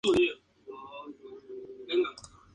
Era llamada cariñosamente "Harry".